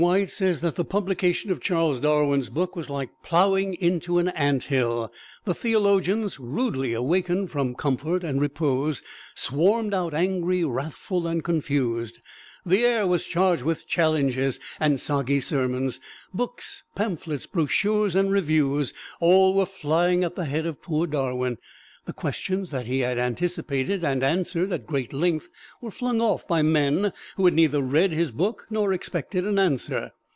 White says that the publication of Charles Darwin's book was like plowing into an ant hill. The theologians, rudely awakened from comfort and repose, swarmed out angry, wrathful and confused. The air was charged with challenges; and soggy sermons, books, pamphlets, brochures and reviews, all were flying at the head of poor Darwin. The questions that he had anticipated and answered at great length were flung off by men who had neither read his book nor expected an answer.